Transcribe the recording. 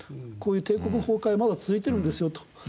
こういう帝国崩壊はまだ続いてるんですよと。